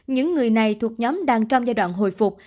những người này thuộc nhóm đang trong giai đoạn hồi phục